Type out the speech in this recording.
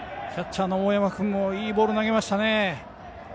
キャッチャーの大山君もいいボール投げましたね。